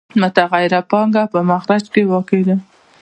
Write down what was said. متغیره پانګه په مخرج کې واقع ده